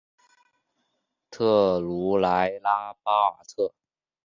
特鲁莱拉巴尔特。